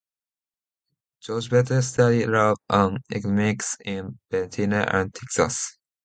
Georg Vetter studied law and economics in Vienna and Texas.